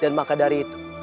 dan maka dari itu